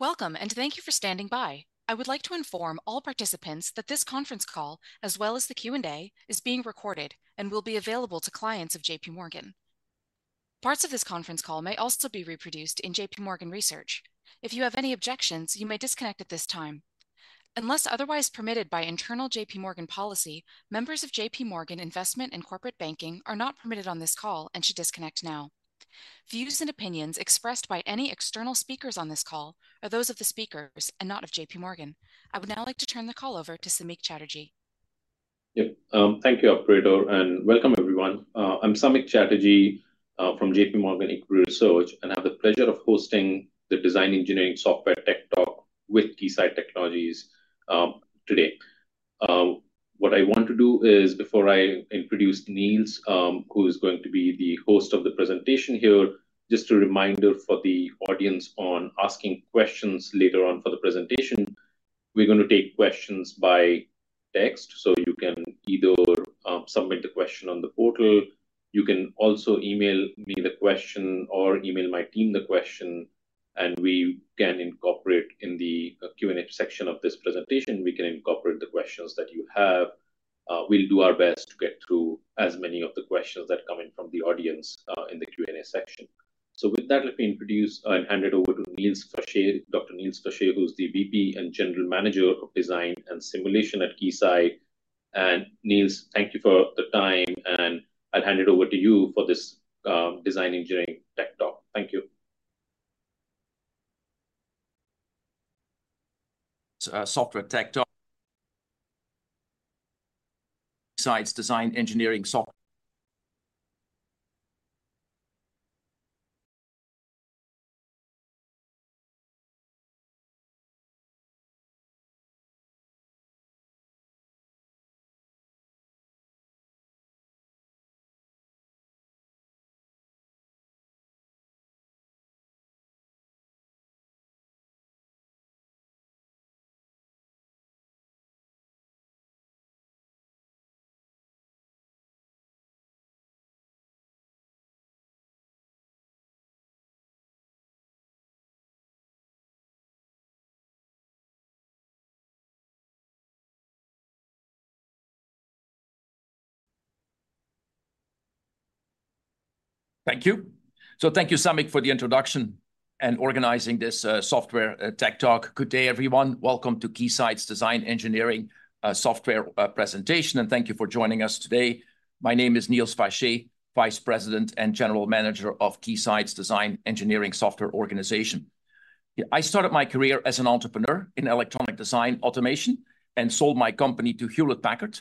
Welcome, and thank you for standing by. I would like to inform all participants that this conference call, as well as the Q&A, is being recorded and will be available to clients of J.P. Morgan. Parts of this conference call may also be reproduced in J.P. Morgan research. If you have any objections, you may disconnect at this time. Unless otherwise permitted by internal J.P. Morgan policy, members of J.P. Morgan Investment and Corporate Banking are not permitted on this call and should disconnect now. Views and opinions expressed by any external speakers on this call are those of the speakers and not of J.P. Morgan. I would now like to turn the call over to Samik Chatterjee. Yep, thank you, Operator, and welcome, everyone. I'm Samik Chatterjee from J.P. Morgan Equity Research, and I have the pleasure of hosting the Design Engineering Software Tech Talk with Keysight Technologies today. What I want to do is, before I introduce Niels, who is going to be the host of the presentation here, just a reminder for the audience on asking questions later on for the presentation, we're going to take questions by text. So you can either submit the question on the portal, you can also email me the question or email my team the question, and we can incorporate in the Q&A section of this presentation, we can incorporate the questions that you have. We'll do our best to get through as many of the questions that come in from the audience in the Q&A section. So with that, let me introduce and hand it over to Niels Faché, Dr. Niels Faché, who's the VP and General Manager of Design and Simulation at Keysight. And, Niels, thank you for the time, and I'll hand it over to you for this Design Engineering Tech Talk. Thank you. So thank you, Samik, for the introduction and organizing this, Software Tech Talk. Good day, everyone. Welcome to Keysight's Design Engineering Software Presentation, and thank you for joining us today. My name is Niels Faché, Vice President and General Manager of Keysight's Design Engineering Software organization. I started my career as an entrepreneur in electronic design automation and sold my company to Hewlett-Packard.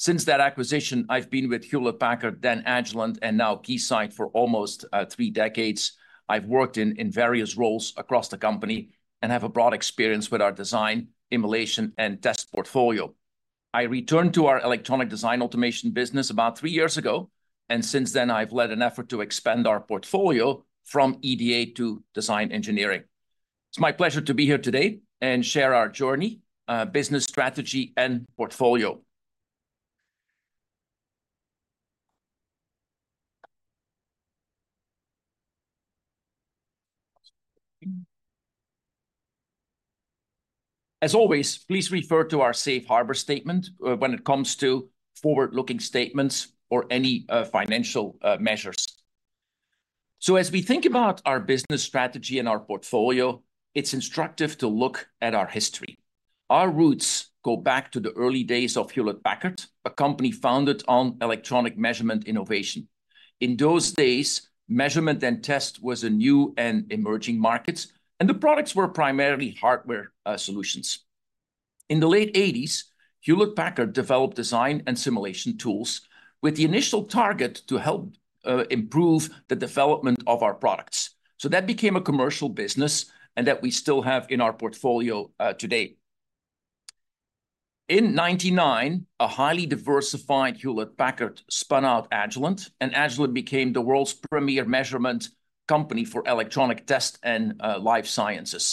Since that acquisition, I've been with Hewlett-Packard, then Agilent, and now Keysight for almost three decades. I've worked in various roles across the company and have a broad experience with our design, emulation, and test portfolio. I returned to our electronic design automation business about three years ago, and since then, I've led an effort to expand our portfolio from EDA to design engineering. It's my pleasure to be here today and share our journey, business strategy, and portfolio. As always, please refer to our safe harbor statement, when it comes to forward-looking statements or any, financial, measures. So as we think about our business strategy and our portfolio, it's instructive to look at our history. Our roots go back to the early days of Hewlett-Packard, a company founded on electronic measurement innovation. In those days, measurement and test was a new and emerging markets, and the products were primarily hardware, solutions. In the late '80s, Hewlett-Packard developed design and simulation tools, with the initial target to help, improve the development of our products. So that became a commercial business, and that we still have in our portfolio, today. In 1999, a highly diversified Hewlett-Packard spun out Agilent, and Agilent became the world's premier measurement company for electronic test and life sciences.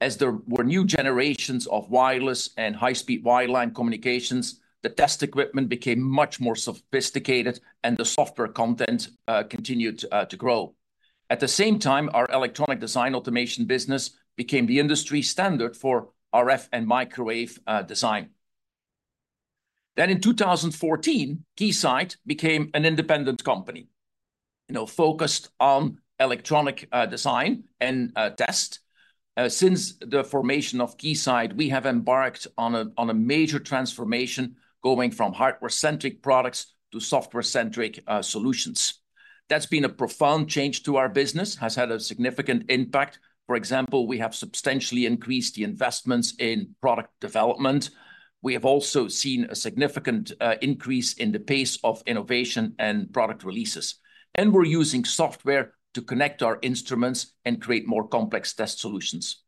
As there were new generations of wireless and high-speed wireline communications, the test equipment became much more sophisticated, and the software content continued to grow. At the same time, our electronic design automation business became the industry standard for RF and microwave design. Then in 2014, Keysight became an independent company, you know, focused on electronic design and test. Since the formation of Keysight, we have embarked on a major transformation, going from hardware-centric products to software-centric solutions. That's been a profound change to our business, has had a significant impact. For example, we have substantially increased the investments in product development. We have also seen a significant increase in the pace of innovation and product releases, and we're using software to connect our instruments and create more complex test solutions.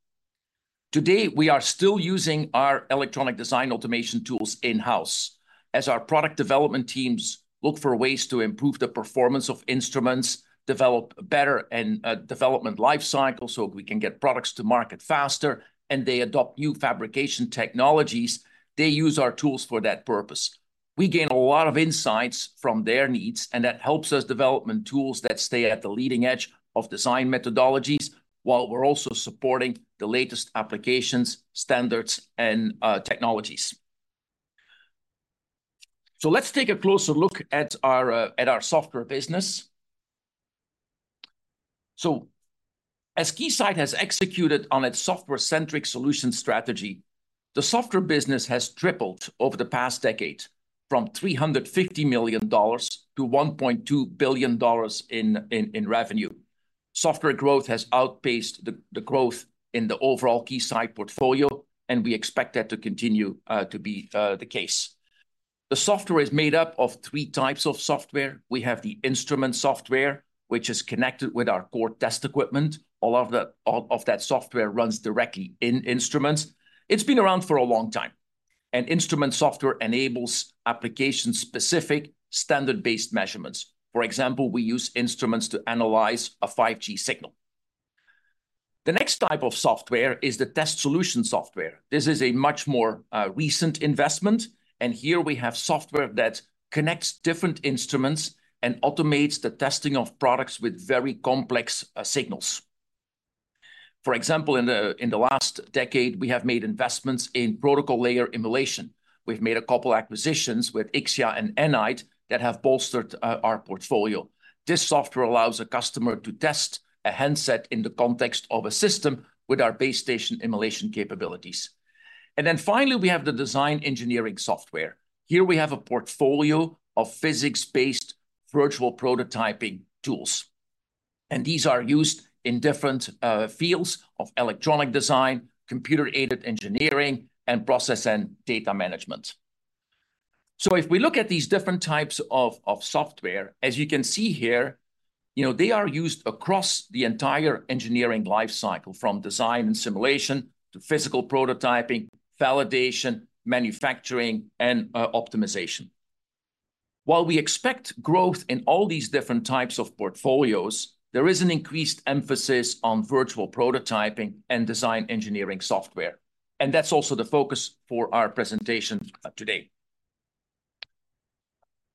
Today, we are still using our electronic design automation tools in-house. As our product development teams look for ways to improve the performance of instruments, develop better and development life cycle, so we can get products to market faster, and they adopt new fabrication technologies, they use our tools for that purpose. We gain a lot of insights from their needs, and that helps us development tools that stay at the leading edge of design methodologies, while we're also supporting the latest applications, standards, and technologies. So let's take a closer look at our software business. So as Keysight has executed on its software-centric solution strategy, the software business has tripled over the past decade, from $350 million-$1.2 billion in revenue. Software growth has outpaced the growth in the overall Keysight portfolio, and we expect that to continue to be the case. The software is made up of three types of software. We have the instrument software, which is connected with our core test equipment. All of that software runs directly in instruments. It's been around for a long time, and instrument software enables application-specific, standard-based measurements. For example, we use instruments to analyze a 5G signal. The next type of software is the test solution software. This is a much more recent investment, and here we have software that connects different instruments and automates the testing of products with very complex signals. For example, in the last decade, we have made investments in protocol layer emulation. We've made a couple acquisitions with Ixia and Anite that have bolstered our portfolio. This software allows a customer to test a handset in the context of a system with our base station emulation capabilities. And then finally, we have the design engineering software. Here we have a portfolio of physics-based virtual prototyping tools, and these are used in different fields of electronic design, computer-aided engineering, and process and data management. If we look at these different types of software, as you can see here, you know, they are used across the entire engineering life cycle, from design and simulation to physical prototyping, validation, manufacturing, and optimization. While we expect growth in all these different types of portfolios, there is an increased emphasis on virtual prototyping and design engineering software, and that's also the focus for our presentation today.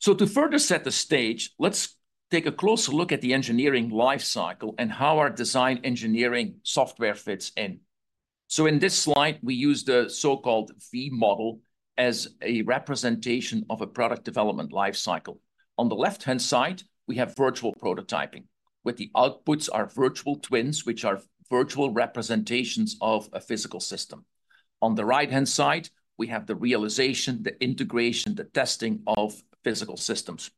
To further set the stage, let's take a closer look at the engineering life cycle and how our design engineering software fits in. In this slide, we use the so-called V-model as a representation of a product development life cycle. On the left-hand side, we have virtual prototyping, with the outputs are virtual twins, which are virtual representations of a physical system. On the right-hand side, we have the realization, the integration, the testing of physical systems.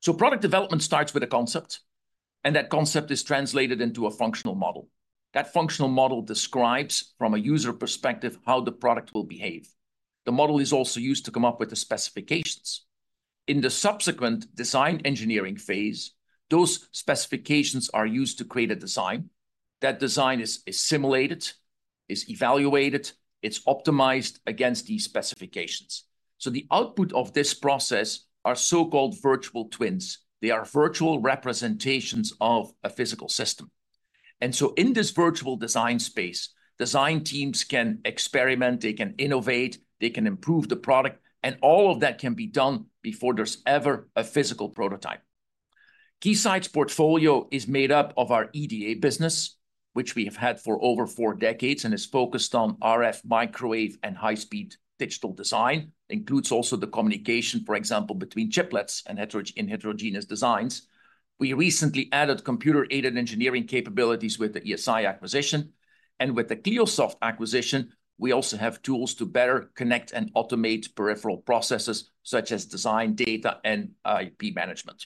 So product development starts with a concept, and that concept is translated into a functional model. That functional model describes, from a user perspective, how the product will behave. The model is also used to come up with the specifications. In the subsequent design engineering phase, those specifications are used to create a design. That design is simulated, is evaluated, it's optimized against these specifications. So the output of this process are so-called virtual twins. They are virtual representations of a physical system. And so in this virtual design space, design teams can experiment, they can innovate, they can improve the product, and all of that can be done before there's ever a physical prototype. Keysight's portfolio is made up of our EDA business, which we have had for over four decades and is focused on RF, microwave, and high-speed digital design, includes also the communication, for example, between chiplets and heterogeneous designs. We recently added computer-aided engineering capabilities with the ESI acquisition, and with the Cliosoft acquisition, we also have tools to better connect and automate peripheral processes, such as design, data, and IP management.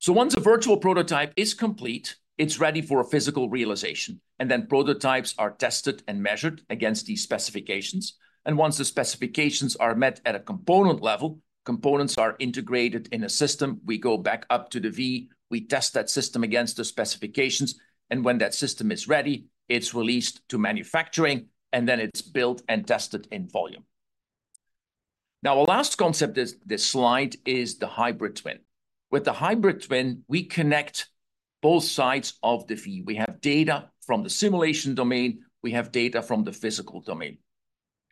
So once a virtual prototype is complete, it's ready for a physical realization, and then prototypes are tested and measured against these specifications. Once the specifications are met at a component level, components are integrated in a system. We go back up to the V, we test that system against the specifications, and when that system is ready, it's released to manufacturing, and then it's built and tested in volume. Now, our last concept is this slide, the hybrid twin. With the hybrid twin, we connect both sides of the V. We have data from the simulation domain, we have data from the physical domain.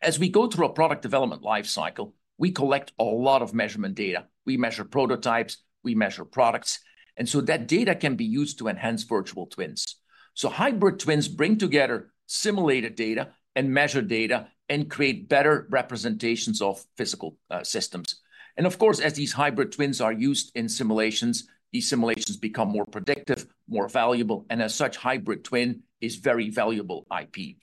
As we go through a product development life cycle, we collect a lot of measurement data. We measure prototypes, we measure products, and so that data can be used to enhance virtual twins. So hybrid twins bring together simulated data and measured data and create better representations of physical systems. And of course, as these hybrid twins are used in simulations, these simulations become more predictive, more valuable, and as such, hybrid twin is very valuable IP.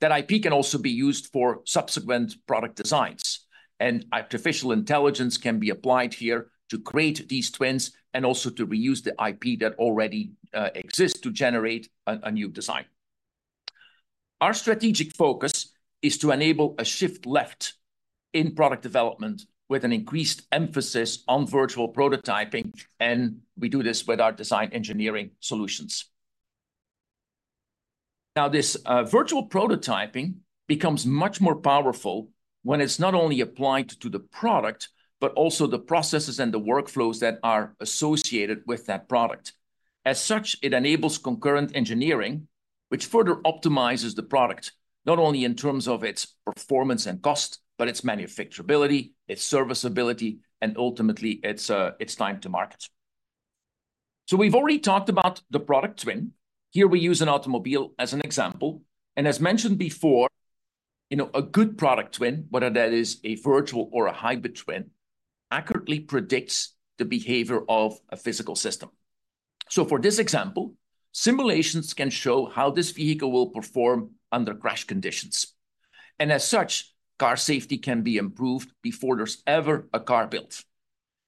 That IP can also be used for subsequent product designs, and artificial intelligence can be applied here to create these twins and also to reuse the IP that already exists to generate a new design. Our strategic focus is to enable a shift left in product development with an increased emphasis on virtual prototyping, and we do this with our design engineering solutions. Now, this virtual prototyping becomes much more powerful when it's not only applied to the product, but also the processes and the workflows that are associated with that product. As such, it enables concurrent engineering, which further optimizes the product, not only in terms of its performance and cost, but its manufacturability, its serviceability, and ultimately, its time to market. So we've already talked about the product twin. Here, we use an automobile as an example, and as mentioned before, you know, a good product twin, whether that is a virtual or a hybrid twin, accurately predicts the behavior of a physical system. For this example, simulations can show how this vehicle will perform under crash conditions, and as such, car safety can be improved before there's ever a car built.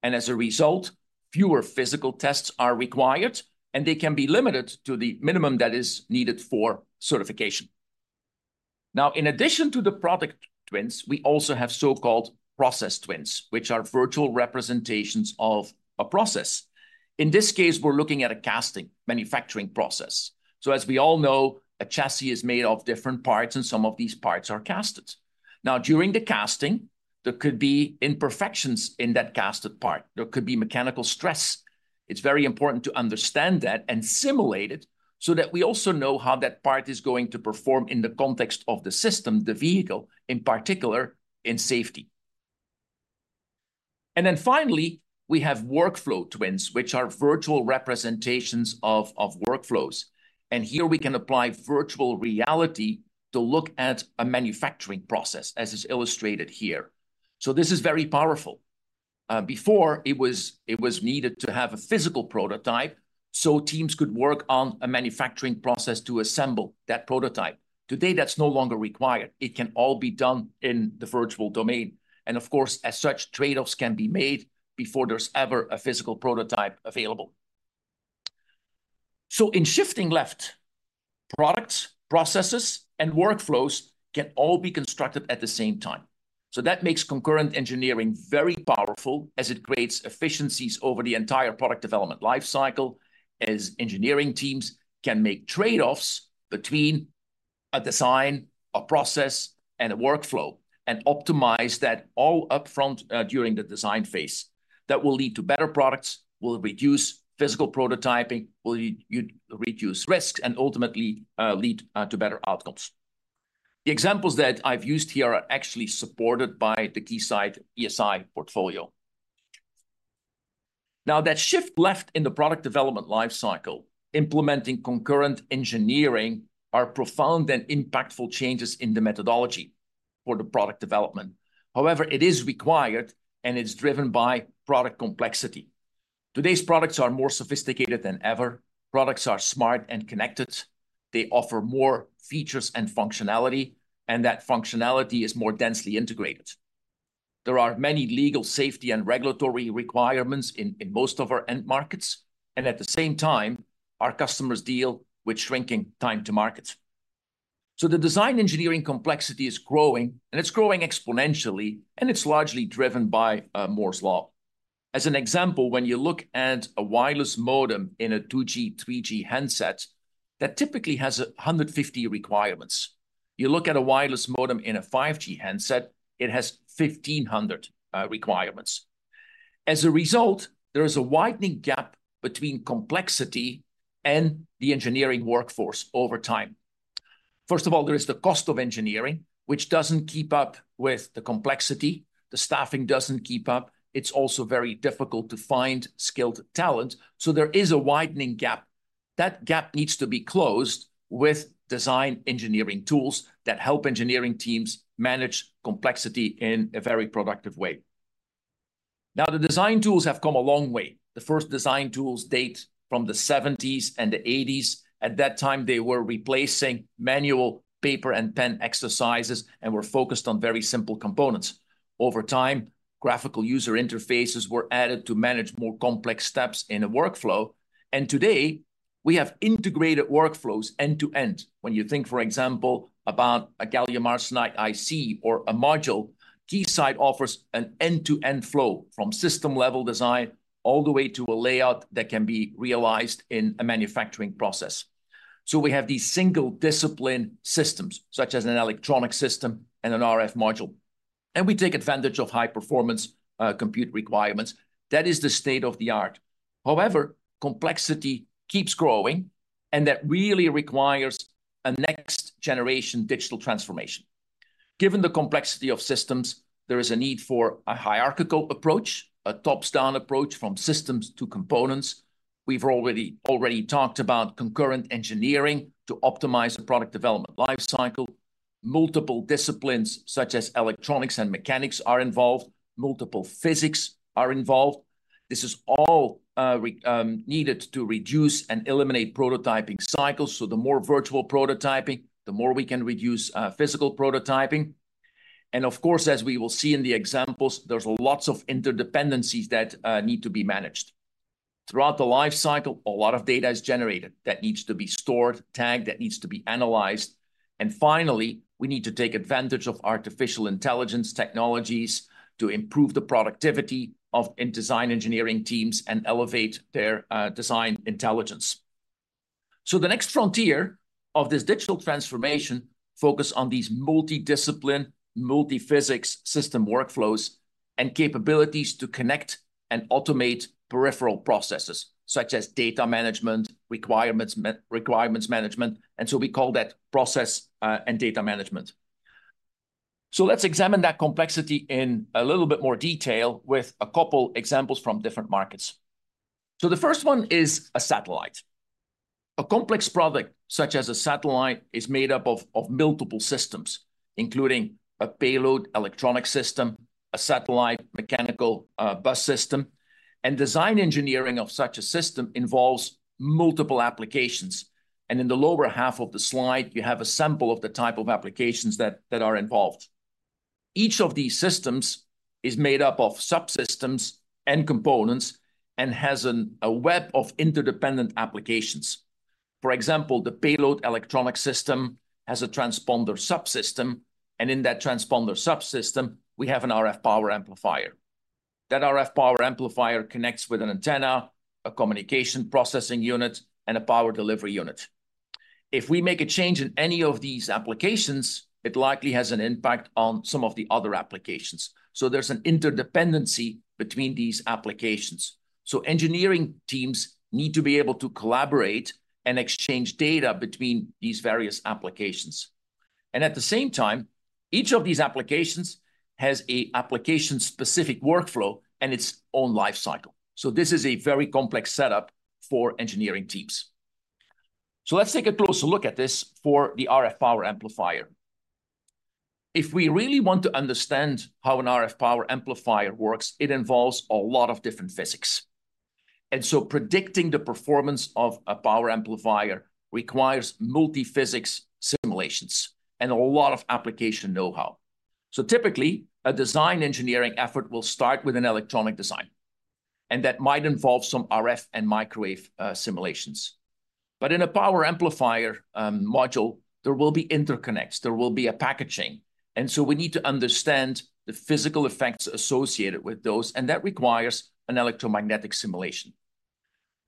As a result, fewer physical tests are required, and they can be limited to the minimum that is needed for certification. Now, in addition to the product twins, we also have so-called process twins, which are virtual representations of a process. In this case, we're looking at a casting manufacturing process. As we all know, a chassis is made of different parts, and some of these parts are cast. Now, during the casting, there could be imperfections in that cast part. There could be mechanical stress. It's very important to understand that and simulate it, so that we also know how that part is going to perform in the context of the system, the vehicle, in particular, in safety. And then finally, we have workflow twins, which are virtual representations of workflows, and here we can apply virtual reality to look at a manufacturing process, as is illustrated here. So this is very powerful. Before, it was needed to have a physical prototype, so teams could work on a manufacturing process to assemble that prototype. Today, that's no longer required. It can all be done in the virtual domain, and of course, as such, trade-offs can be made before there's ever a physical prototype available. So in shifting left, products, processes, and workflows can all be constructed at the same time. So that makes concurrent engineering very powerful, as it creates efficiencies over the entire product development life cycle, as engineering teams can make trade-offs between a design, a process, and a workflow, and optimize that all upfront during the design phase. That will lead to better products, will reduce physical prototyping, will reduce risk, and ultimately lead to better outcomes. The examples that I've used here are actually supported by the Keysight ESI portfolio. Now, that shift left in the product development life cycle, implementing concurrent engineering, are profound and impactful changes in the methodology for the product development. However, it is required, and it's driven by product complexity. Today's products are more sophisticated than ever. Products are smart and connected. They offer more features and functionality, and that functionality is more densely integrated. There are many legal, safety, and regulatory requirements in most of our end markets, and at the same time, our customers deal with shrinking time to market. So the design engineering complexity is growing, and it's growing exponentially, and it's largely driven by Moore's Law. As an example, when you look at a wireless modem in a 2G, 3G handset, that typically has 150 requirements. You look at a wireless modem in a 5G handset, it has 1,500 requirements. As a result, there is a widening gap between complexity and the engineering workforce over time. First of all, there is the cost of engineering, which doesn't keep up with the complexity. The staffing doesn't keep up. It's also very difficult to find skilled talent, so there is a widening gap. That gap needs to be closed with design engineering tools that help engineering teams manage complexity in a very productive way. Now, the design tools have come a long way. The first design tools date from the seventies and the eighties. At that time, they were replacing manual paper and pen exercises and were focused on very simple components. Over time, graphical user interfaces were added to manage more complex steps in a workflow, and today, we have integrated workflows end to end. When you think, for example, about a gallium arsenide IC or a module, Keysight offers an end-to-end flow, from system-level design all the way to a layout that can be realized in a manufacturing process. So we have these single-discipline systems, such as an electronic system and an RF module, and we take advantage of high-performance compute requirements. That is the state-of-the-art. However, complexity keeps growing, and that really requires a next-generation digital transformation. Given the complexity of systems, there is a need for a hierarchical approach, a top-down approach, from systems to components. We've already talked about concurrent engineering to optimize the product development life cycle. Multiple disciplines, such as electronics and mechanics, are involved. Multiple physics are involved. This is all needed to reduce and eliminate prototyping cycles, so the more virtual prototyping, the more we can reduce physical prototyping. And of course, as we will see in the examples, there's lots of interdependencies that need to be managed. Throughout the life cycle, a lot of data is generated that needs to be stored, tagged, that needs to be analyzed, and finally, we need to take advantage of artificial intelligence technologies to improve the productivity of, and design engineering teams and elevate their design intelligence. So the next frontier of this digital transformation focus on these multi-discipline, multi-physics system workflows and capabilities to connect and automate peripheral processes, such as data management, requirements management, and so we call that process and data management. So let's examine that complexity in a little bit more detail with a couple examples from different markets. So the first one is a satellite. A complex product, such as a satellite, is made up of multiple systems, including a payload electronic system, a satellite mechanical bus system, and design engineering of such a system involves multiple applications. In the lower half of the slide, you have a sample of the type of applications that are involved. Each of these systems is made up of subsystems and components and has a web of interdependent applications. For example, the payload electronic system has a transponder subsystem, and in that transponder subsystem, we have an RF power amplifier. That RF power amplifier connects with an antenna, a communication processing unit, and a power delivery unit. If we make a change in any of these applications, it likely has an impact on some of the other applications, so there's an interdependency between these applications. So engineering teams need to be able to collaborate and exchange data between these various applications. And at the same time, each of these applications has an application-specific workflow and its own life cycle. So this is a very complex setup for engineering teams. So let's take a closer look at this for the RF power amplifier. If we really want to understand how an RF power amplifier works, it involves a lot of different physics, and so predicting the performance of a power amplifier requires multi-physics simulations and a lot of application know-how. So typically, a design engineering effort will start with an electronic design, and that might involve some RF and microwave simulations. But in a power amplifier module, there will be interconnects, there will be a packaging, and so we need to understand the physical effects associated with those, and that requires an electromagnetic simulation.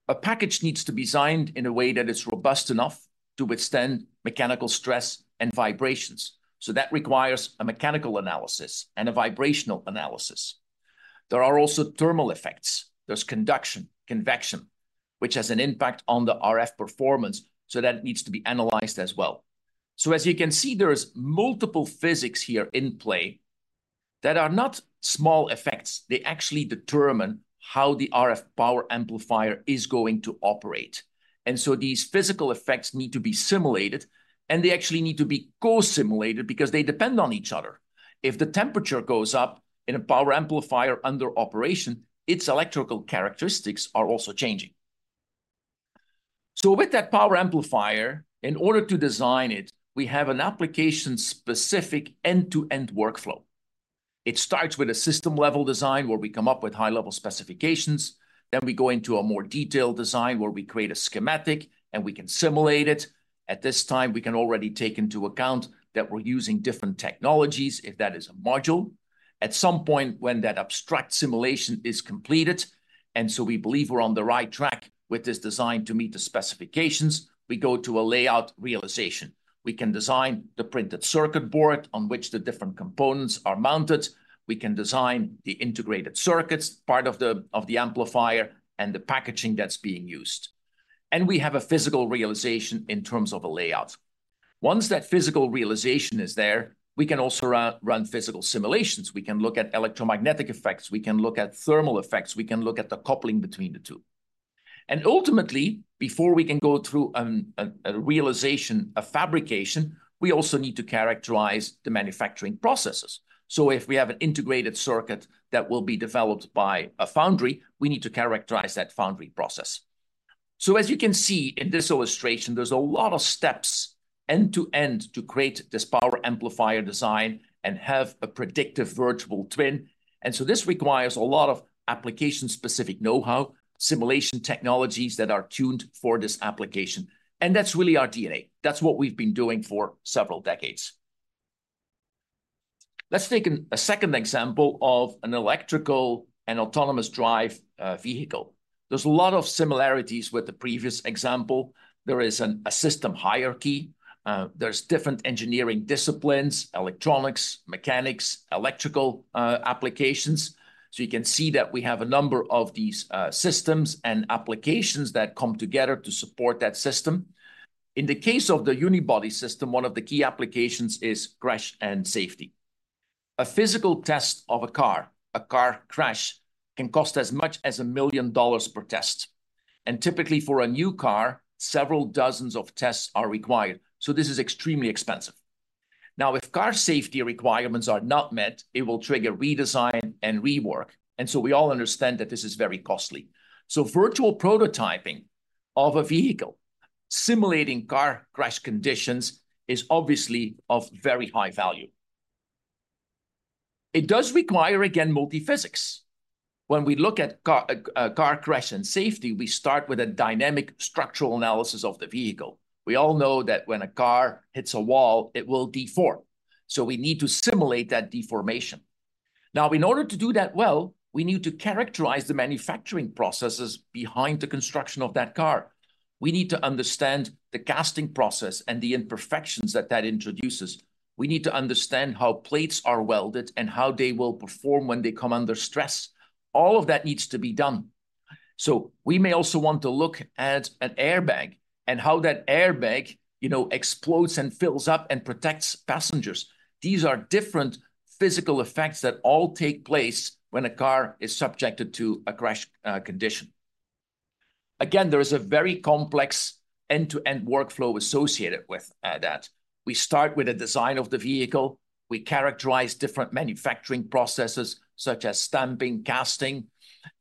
A package needs to be designed in a way that it's robust enough to withstand mechanical stress and vibrations, so that requires a mechanical analysis and a vibrational analysis. There are also thermal effects. There's conduction, convection, which has an impact on the RF performance, so that needs to be analyzed as well. So as you can see, there is multiple physics here in play that are not small effects. They actually determine how the RF power amplifier is going to operate, and so these physical effects need to be simulated, and they actually need to be co-simulated because they depend on each other. If the temperature goes up in a power amplifier under operation, its electrical characteristics are also changing. So with that power amplifier, in order to design it, we have an application-specific end-to-end workflow. It starts with a system-level design, where we come up with high-level specifications. Then, we go into a more detailed design, where we create a schematic, and we can simulate it. At this time, we can already take into account that we're using different technologies, if that is a module. At some point, when that abstract simulation is completed, and so we believe we're on the right track with this design to meet the specifications, we go to a layout realization. We can design the printed circuit board on which the different components are mounted. We can design the integrated circuits, part of the amplifier, and the packaging that's being used. And we have a physical realization in terms of a layout. Once that physical realization is there, we can also run physical simulations. We can look at electromagnetic effects. We can look at thermal effects. We can look at the coupling between the two. And ultimately, before we can go through a realization, a fabrication, we also need to characterize the manufacturing processes. So if we have an integrated circuit that will be developed by a foundry, we need to characterize that foundry process. So as you can see in this illustration, there's a lot of steps, end to end, to create this power amplifier design and have a predictive virtual twin, and so this requires a lot of application-specific know-how, simulation technologies that are tuned for this application, and that's really our DNA. That's what we've been doing for several decades. Let's take a second example of an electrical and autonomous drive vehicle. There's a lot of similarities with the previous example. There is a system hierarchy. There's different engineering disciplines, electronics, mechanics, electrical, applications. So you can see that we have a number of these systems and applications that come together to support that system. In the case of the unibody system, one of the key applications is crash and safety. A physical test of a car, a car crash, can cost as much as $1 million per test, and typically, for a new car, several dozens of tests are required, so this is extremely expensive. Now, if car safety requirements are not met, it will trigger redesign and rework, and so we all understand that this is very costly. So virtual prototyping of a vehicle, simulating car crash conditions, is obviously of very high value. It does require, again, multi-physics. When we look at a car crash and safety, we start with a dynamic structural analysis of the vehicle. We all know that when a car hits a wall, it will deform, so we need to simulate that deformation. Now, in order to do that well, we need to characterize the manufacturing processes behind the construction of that car. We need to understand the casting process and the imperfections that that introduces. We need to understand how plates are welded and how they will perform when they come under stress. All of that needs to be done. So we may also want to look at an airbag, and how that airbag, you know, explodes and fills up and protects passengers. These are different physical effects that all take place when a car is subjected to a crash condition. Again, there is a very complex end-to-end workflow associated with that. We start with the design of the vehicle. We characterize different manufacturing processes, such as stamping, casting,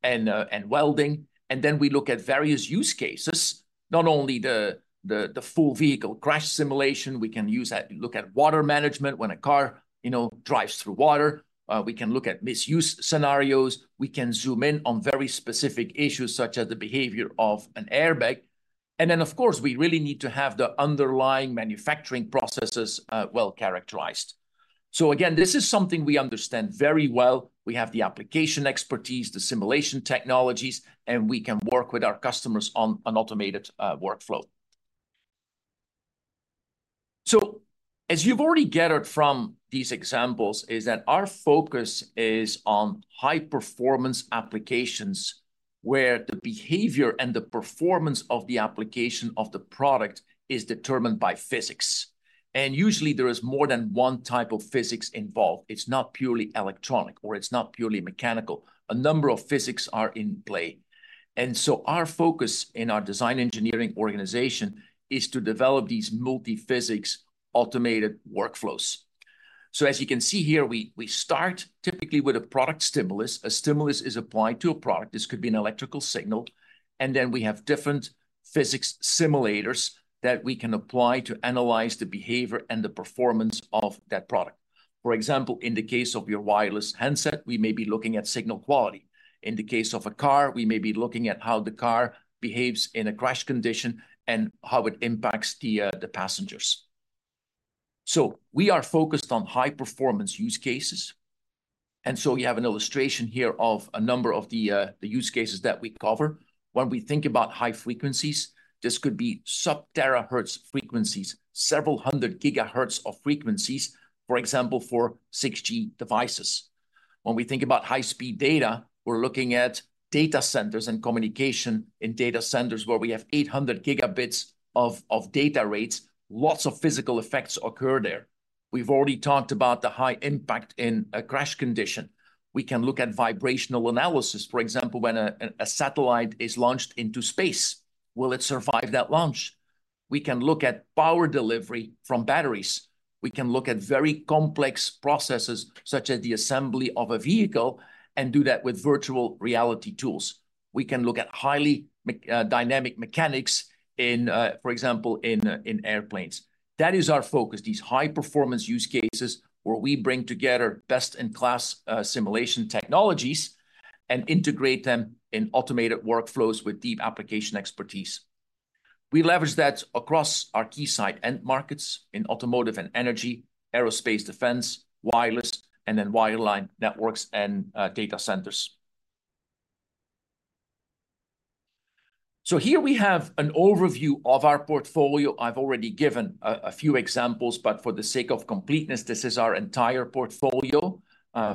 and welding, and then we look at various use cases, not only the full vehicle crash simulation. We can use that to look at water management when a car, you know, drives through water. We can look at misuse scenarios. We can zoom in on very specific issues, such as the behavior of an airbag. And then, of course, we really need to have the underlying manufacturing processes well-characterized. So again, this is something we understand very well. We have the application expertise, the simulation technologies, and we can work with our customers on an automated workflow. So as you've already gathered from these examples, is that our focus is on high-performance applications, where the behavior and the performance of the application of the product is determined by physics. Usually, there is more than one type of physics involved. It's not purely electronic, or it's not purely mechanical. A number of physics are in play. Our focus in our design engineering organization is to develop these multi-physics automated workflows. As you can see here, we start typically with a product stimulus. A stimulus is applied to a product, this could be an electrical signal, and then we have different physics simulators that we can apply to analyze the behavior and the performance of that product. For example, in the case of your wireless handset, we may be looking at signal quality. In the case of a car, we may be looking at how the car behaves in a crash condition and how it impacts the passengers. So we are focused on high-performance use cases, and so you have an illustration here of a number of the use cases that we cover. When we think about high frequencies, this could be sub-terahertz frequencies, several hundred gigahertz of frequencies, for example, for 6G devices. When we think about high-speed data, we're looking at data centers and communication in data centers, where we have 800 gigabits of data rates. Lots of physical effects occur there. We've already talked about the high impact in a crash condition. We can look at vibrational analysis, for example, when a satellite is launched into space, will it survive that launch? We can look at power delivery from batteries. We can look at very complex processes, such as the assembly of a vehicle, and do that with virtual reality tools. We can look at highly mechanical dynamic mechanics in, for example, in, in airplanes. That is our focus, these high-performance use cases, where we bring together best-in-class simulation technologies and integrate them in automated workflows with deep application expertise. We leverage that across our Keysight end markets in automotive and energy, aerospace, defense, wireless, and then wireline networks and data centers. So here we have an overview of our portfolio. I've already given a few examples, but for the sake of completeness, this is our entire portfolio.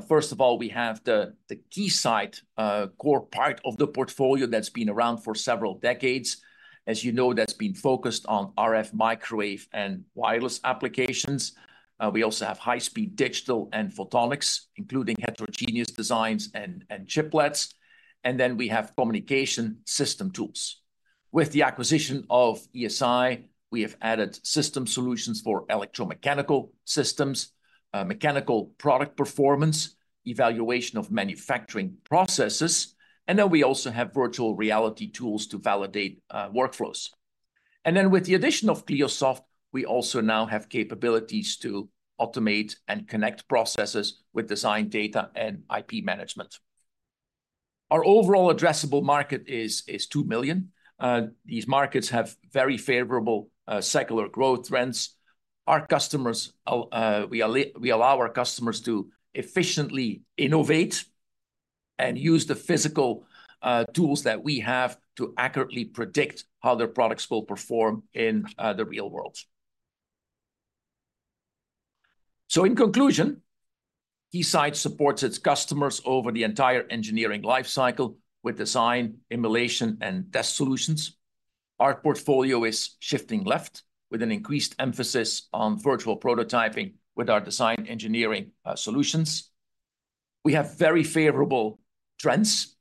First of all, we have the Keysight core part of the portfolio that's been around for several decades. As you know, that's been focused on RF, microwave, and wireless applications. We also have high-speed digital and photonics, including heterogeneous designs and chiplets, and then we have communication system tools. With the acquisition of ESI, we have added system solutions for electromechanical systems, mechanical product performance, evaluation of manufacturing processes, and then we also have virtual reality tools to validate workflows. And then with the addition of Cliosoft, we also now have capabilities to automate and connect processes with design data and IP management. Our overall addressable market is $2 million. These markets have very favorable secular growth trends. Our customers, we allow our customers to efficiently innovate and use the physical tools that we have to accurately predict how their products will perform in the real world. So in conclusion, Keysight supports its customers over the entire engineering lifecycle with design, emulation, and test solutions. Our portfolio is shifting left, with an increased emphasis on virtual prototyping with our design engineering solutions. We have very favorable trends,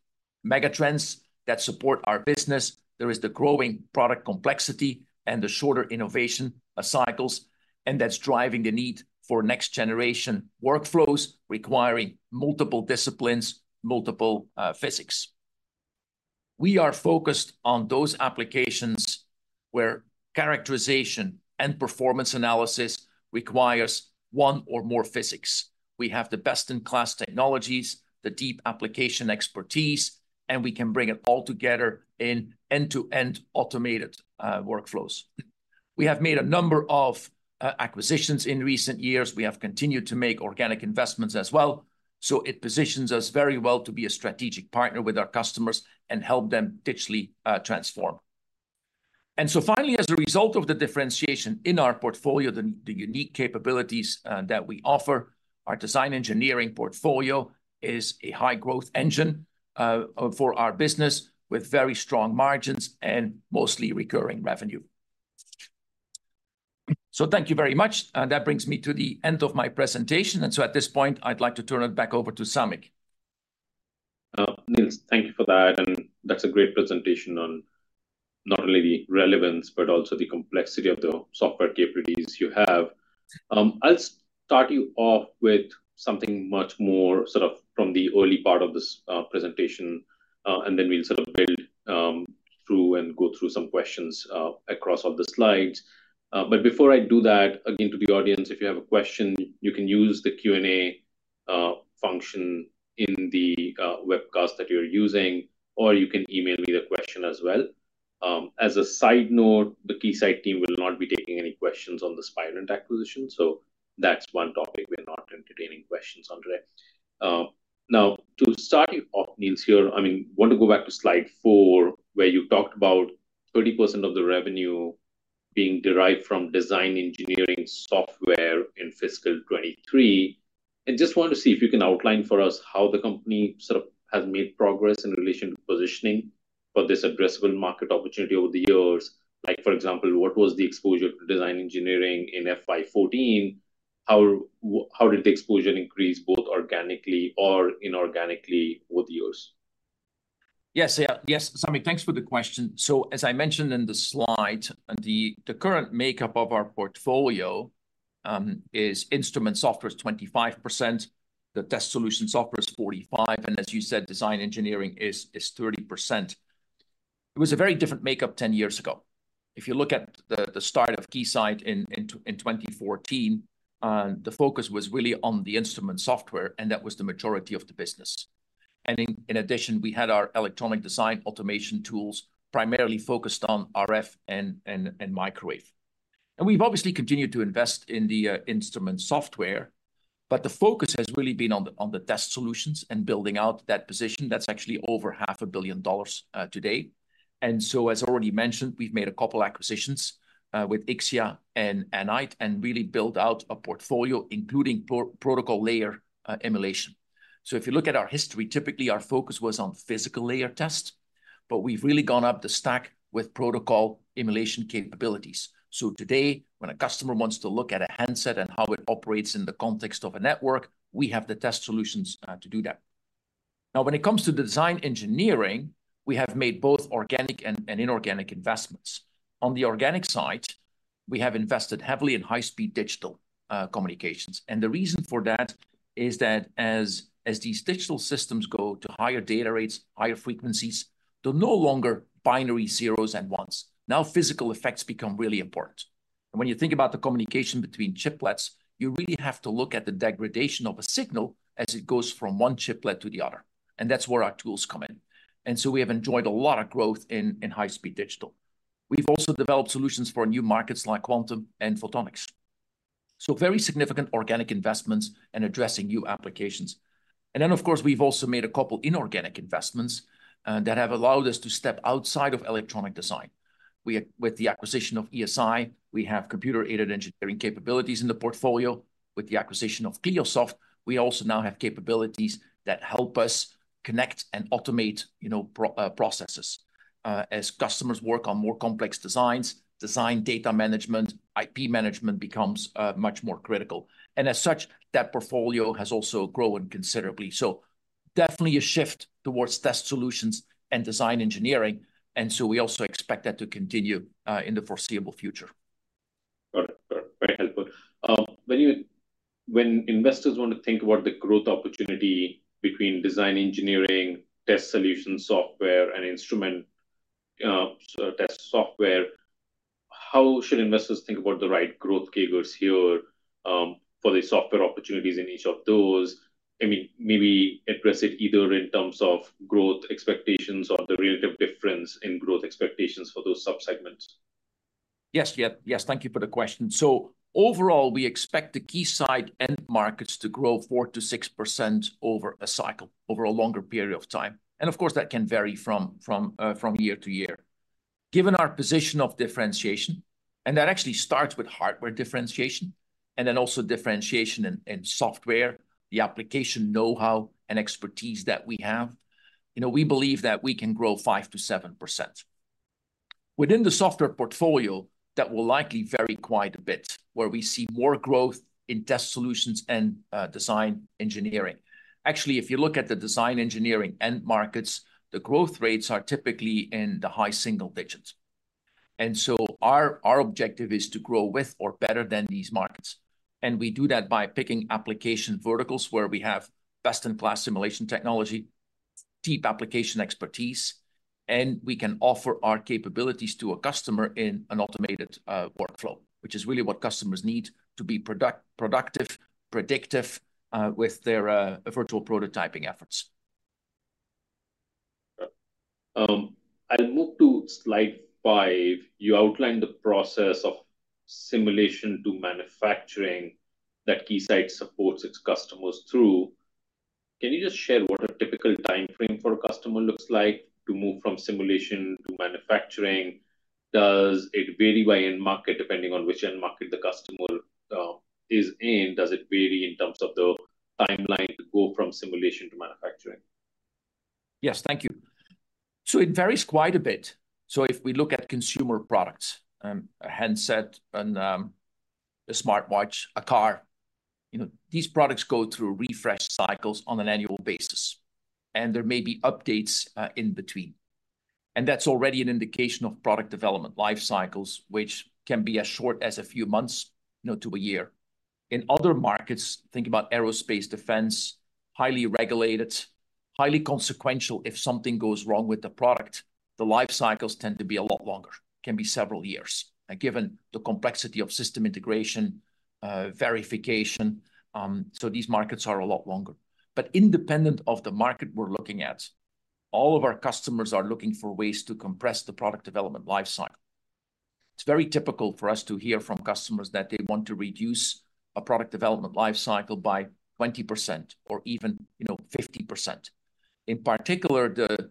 megatrends, that support our business. There is the growing product complexity and the shorter innovation cycles, and that's driving the need for next-generation workflows, requiring multiple disciplines, multiple physics. We are focused on those applications where characterization and performance analysis requires one or more physics. We have the best-in-class technologies, the deep application expertise, and we can bring it all together in end-to-end automated workflows. We have made a number of acquisitions in recent years. We have continued to make organic investments as well, so it positions us very well to be a strategic partner with our customers and help them digitally transform. So finally, as a result of the differentiation in our portfolio, the unique capabilities that we offer, our design engineering portfolio is a high-growth engine for our business, with very strong margins and mostly recurring revenue. Thank you very much, and that brings me to the end of my presentation. At this point, I'd like to turn it back over to Samik. Niels, thank you for that, and that's a great presentation on not only the relevance, but also the complexity of the software capabilities you have. I'll start you off with something much more, sort of from the early part of this presentation, and then we'll sort of build through and go through some questions across all the slides. But before I do that, again, to the audience, if you have a question, you can use the Q&A function in the webcast that you're using, or you can email me the question as well. As a side note, the Keysight team will not be taking any questions on the Spirent acquisition, so that's one topic we're not entertaining questions on today. Now, to start you off, Niels, here, I mean, want to go back to slide 4, where you talked about 30% of the revenue being derived from design engineering software in fiscal 2023. I just want to see if you can outline for us how the company sort of has made progress in relation to positioning for this addressable market opportunity over the years. Like, for example, what was the exposure to design engineering in FY 2014? How did the exposure increase, both organically or inorganically, over the years? Yes, yeah. Yes, Samik, thanks for the question. So, as I mentioned in the slide, the current makeup of our portfolio is instrument software is 25%, the test solution software is 45%, and as you said, design engineering is 30%. It was a very different makeup 10 years ago. If you look at the start of Keysight in 2014, the focus was really on the instrument software, and that was the majority of the business. And in addition, we had our electronic design automation tools, primarily focused on RF and microwave. And we've obviously continued to invest in the instrument software, but the focus has really been on the test solutions and building out that position. That's actually over $500 million today. As already mentioned, we've made a couple acquisitions with Ixia and Anite, and really built out a portfolio, including protocol layer emulation. So if you look at our history, typically, our focus was on physical layer tests, but we've really gone up the stack with protocol emulation capabilities. So today, when a customer wants to look at a handset and how it operates in the context of a network, we have the test solutions to do that. Now, when it comes to design engineering, we have made both organic and inorganic investments. On the organic side, we have invested heavily in high-speed digital communications. And the reason for that is that as these digital systems go to higher data rates, higher frequencies, they're no longer binary zeros and ones. Now, physical effects become really important. And when you think about the communication between chiplets, you really have to look at the degradation of a signal as it goes from one chiplet to the other, and that's where our tools come in. And so we have enjoyed a lot of growth in high-speed digital. We've also developed solutions for new markets, like quantum and photonics, so very significant organic investments and addressing new applications. And then, of course, we've also made a couple inorganic investments that have allowed us to step outside of electronic design. With the acquisition of ESI, we have computer-aided engineering capabilities in the portfolio. With the acquisition of Cliosoft, we also now have capabilities that help us connect and automate, you know, processes. As customers work on more complex designs, design data management, IP management, becomes much more critical, and as such, that portfolio has also grown considerably. So definitely a shift towards test solutions and design engineering, and so we also expect that to continue in the foreseeable future. Perfect. Perfect. Very helpful. When investors want to think about the growth opportunity between design engineering, test solution software, and instrument, so test software, how should investors think about the right growth vectors here, for the software opportunities in each of those? I mean, maybe address it either in terms of growth expectations or the relative difference in growth expectations for those sub-segments. Yes, yeah. Yes, thank you for the question. So overall, we expect the Keysight end markets to grow 4%-6% over a cycle, over a longer period of time, and of course, that can vary from year to year. Given our position of differentiation, and that actually starts with hardware differentiation, and then also differentiation in software, the application know-how and expertise that we have, you know, we believe that we can grow 5%-7%. Within the software portfolio, that will likely vary quite a bit, where we see more growth in test solutions and design engineering. Actually, if you look at the design engineering end markets, the growth rates are typically in the high single digits. And so our objective is to grow with or better than these markets, and we do that by picking application verticals where we have best-in-class simulation technology, deep application expertise, and we can offer our capabilities to a customer in an automated workflow, which is really what customers need to be productive, predictive with their virtual prototyping efforts.... I'll move to slide 5. You outlined the process of simulation to manufacturing that Keysight supports its customers through. Can you just share what a typical timeframe for a customer looks like to move from simulation to manufacturing? Does it vary by end market, depending on which end market the customer, is in? Does it vary in terms of the timeline to go from simulation to manufacturing? Yes. Thank you. So it varies quite a bit. So if we look at consumer products, a handset, a smartwatch, a car, you know, these products go through refresh cycles on an annual basis, and there may be updates, in between. And that's already an indication of product development life cycles, which can be as short as a few months, you know, to a year. In other markets, think about aerospace defense, highly regulated, highly consequential if something goes wrong with the product, the life cycles tend to be a lot longer, can be several years, given the complexity of system integration, verification. So these markets are a lot longer. But independent of the market we're looking at, all of our customers are looking for ways to compress the product development life cycle. It's very typical for us to hear from customers that they want to reduce a product development life cycle by 20% or even, you know, 50%. In particular, the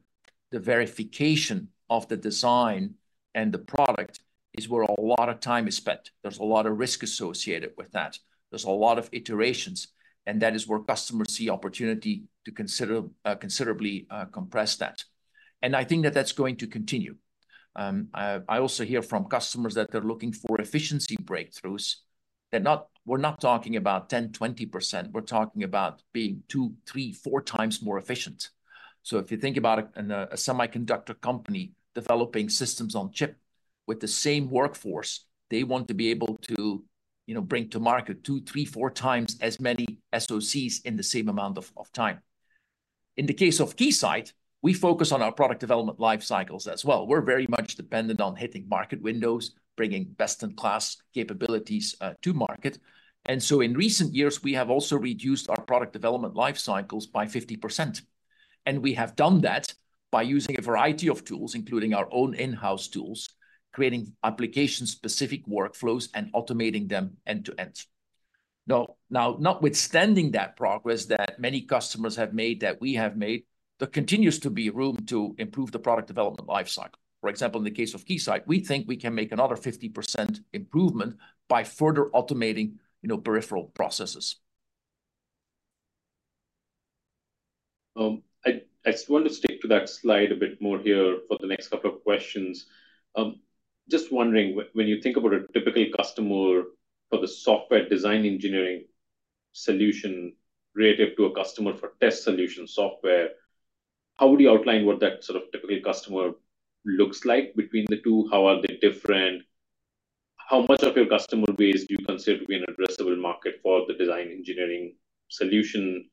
verification of the design and the product is where a lot of time is spent. There's a lot of risk associated with that. There's a lot of iterations, and that is where customers see opportunity to consider considerably compress that, and I think that that's going to continue. I also hear from customers that they're looking for efficiency breakthroughs. They're not... We're not talking about 10, 20%, we're talking about being 2, 3, 4 times more efficient. So if you think about a semiconductor company developing systems on chip with the same workforce, they want to be able to, you know, bring to market 2, 3, 4 times as many SoCs in the same amount of time. In the case of Keysight, we focus on our product development life cycles as well. We're very much dependent on hitting market windows, bringing best-in-class capabilities to market. And so in recent years, we have also reduced our product development life cycles by 50%, and we have done that by using a variety of tools, including our own in-house tools, creating application-specific workflows, and automating them end to end. Now, notwithstanding that progress that many customers have made, that we have made, there continues to be room to improve the product development life cycle. For example, in the case of Keysight, we think we can make another 50% improvement by further automating, you know, peripheral processes. I just want to stick to that slide a bit more here for the next couple of questions. Just wondering, when you think about a typical customer for the software design engineering solution relative to a customer for test solution software, how would you outline what that sort of typical customer looks like between the two? How are they different? How much of your customer base do you consider to be an addressable market for the design engineering solution?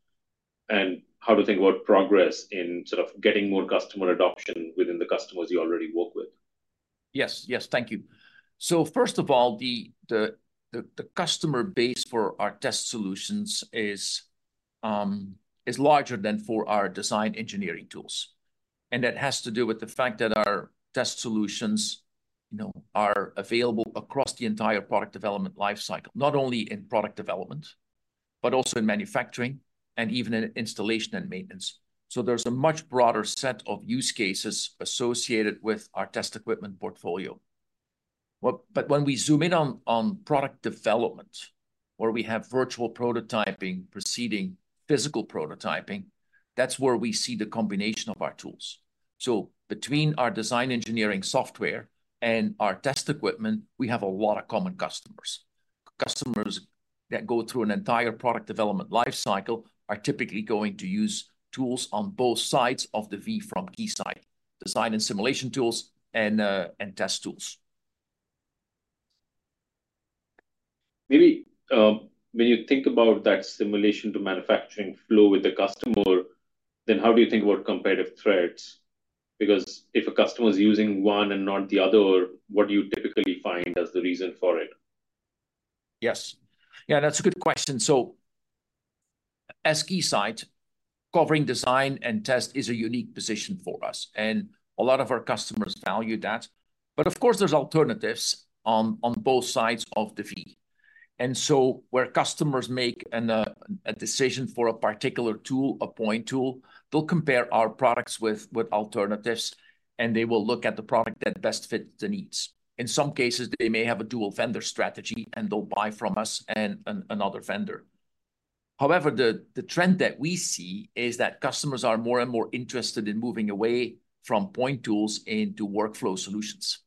And how to think about progress in sort of getting more customer adoption within the customers you already work with? Yes. Yes. Thank you. So first of all, the customer base for our test solutions is larger than for our design engineering tools, and that has to do with the fact that our test solutions, you know, are available across the entire product development life cycle. Not only in product development, but also in manufacturing and even in installation and maintenance. So there's a much broader set of use cases associated with our test equipment portfolio. But when we zoom in on product development, where we have virtual prototyping preceding physical prototyping, that's where we see the combination of our tools. So between our design engineering software and our test equipment, we have a lot of common customers. Customers that go through an entire product development life cycle are typically going to use tools on both sides of the V from Keysight, design and simulation tools, and test tools. Maybe, when you think about that simulation to manufacturing flow with the customer, then how do you think about competitive threats? Because if a customer is using one and not the other, what do you typically find as the reason for it? Yes. Yeah, that's a good question. So as Keysight, covering design and test is a unique position for us, and a lot of our customers value that. But of course, there's alternatives on both sides of the V. And so where customers make a decision for a particular tool, a point tool, they'll compare our products with alternatives, and they will look at the product that best fits the needs. In some cases, they may have a dual vendor strategy, and they'll buy from us and another vendor. However, the trend that we see is that customers are more and more interested in moving away from point tools into workflow solutions,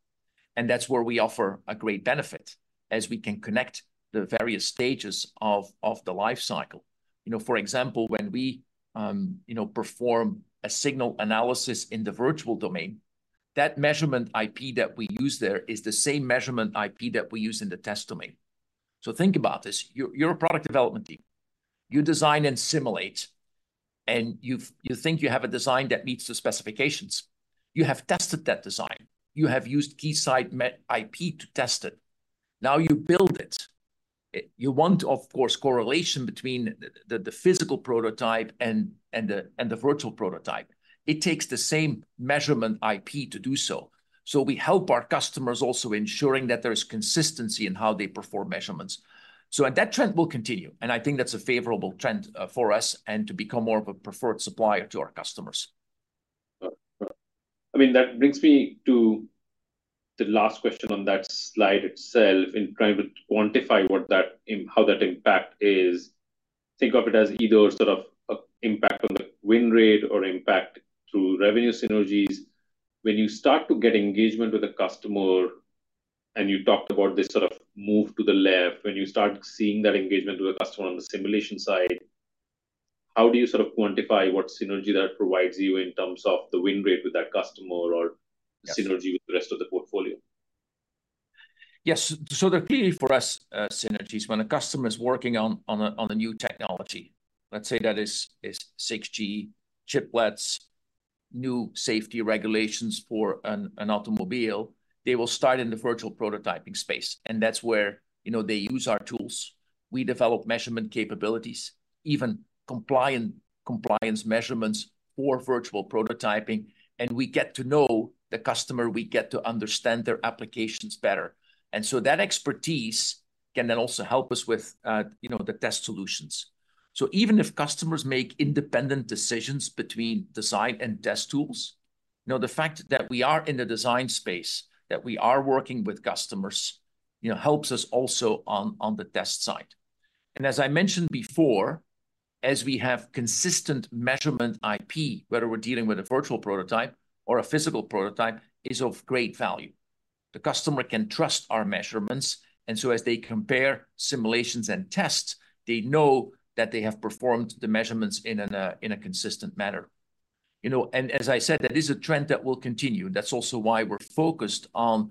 and that's where we offer a great benefit, as we can connect the various stages of the life cycle. You know, for example, when we, you know, perform a signal analysis in the virtual domain, that measurement IP that we use there is the same measurement IP that we use in the test domain. So think about this. You're a product development team. You design and simulate, and you think you have a design that meets the specifications. You have tested that design. You have used Keysight measurement IP to test it. Now you build it. You want, of course, correlation between the physical prototype and the virtual prototype. It takes the same measurement IP to do so. So we help our customers also ensuring that there is consistency in how they perform measurements. So, and that trend will continue, and I think that's a favorable trend, for us, and to become more of a preferred supplier to our customers. I mean, that brings me to the last question on that slide itself, in trying to quantify how that impact is. Think of it as either sort of a impact on the win rate or impact through revenue synergies. When you start to get engagement with a customer, and you talked about this sort of move to the left, when you start seeing that engagement with a customer on the simulation side, how do you sort of quantify what synergy that provides you in terms of the win rate with that customer or synergy with the rest of the portfolio? Yes. So there are clearly, for us, synergies. When a customer is working on a new technology, let's say that is 6G, chiplets, new safety regulations for an automobile, they will start in the virtual prototyping space, and that's where, you know, they use our tools. We develop measurement capabilities, even compliance measurements for virtual prototyping, and we get to know the customer, we get to understand their applications better. And so that expertise can then also help us with, you know, the test solutions. So even if customers make independent decisions between design and test tools, you know, the fact that we are in the design space, that we are working with customers, you know, helps us also on the test side. As I mentioned before, as we have consistent measurement IP, whether we're dealing with a virtual prototype or a physical prototype, is of great value. The customer can trust our measurements, and so as they compare simulations and tests, they know that they have performed the measurements in an, in a consistent manner. You know, and as I said, that is a trend that will continue. That's also why we're focused on